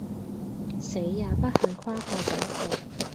死也不肯跨過這一步。